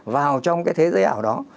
vào trong cái thế giới ảo đó